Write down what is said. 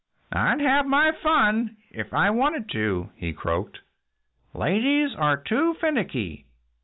"I'd have my fun if I wanted to," he croaked. "Ladies are too finicky.